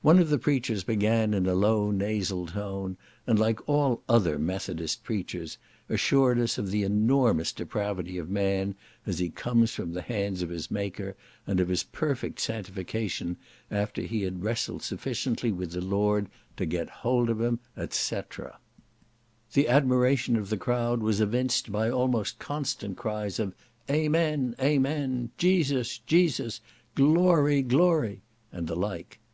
One of the preachers began in a low nasal tone, and, like all other Methodist preachers, assured us of the enormous depravity of man as he comes from the hands of his Maker, and of his perfect sanctification after he had wrestled sufficiently with the Lord to get hold of him, et cetera. The admiration of the crowd was evinced by almost constant cries of "Amen! Amen!" "Jesus! Jesus!" "Glory! Glory!" and the like.